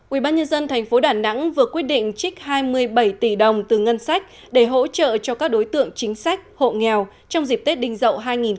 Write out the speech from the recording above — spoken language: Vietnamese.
ubnd tp đà nẵng vừa quyết định trích hai mươi bảy tỷ đồng từ ngân sách để hỗ trợ cho các đối tượng chính sách hộ nghèo trong dịp tết đình dậu hai nghìn hai mươi